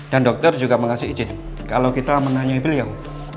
dan dokter juga mengasih izin kalau kita menanyai beliau